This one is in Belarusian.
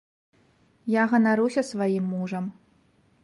Я ганаруся сваім мужам.